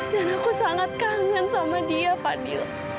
dan aku sangat kangen sama dia fadil